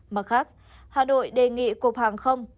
mặt khác hà nội đề nghị cục hàng không